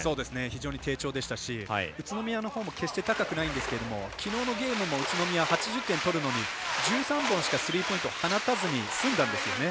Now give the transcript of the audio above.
非常に低調でしたし宇都宮のほうも決して高くないんですけどきのうのゲームも宇都宮８０点取るのに１３本しかスリーポイントを放たずに済んだんですよね。